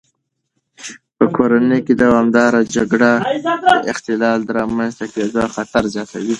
په کورنۍ کې دوامداره جګړه د اختلال د رامنځته کېدو خطر زیاتوي.